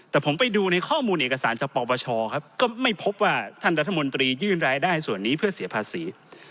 แต่ผมไปดูในข้อมูลเอกสารจากปปชครับก็ไม่พบว่าท่านรัฐมนตรียื่นรายได้ส่วนนี้เพื่อเสียภาษี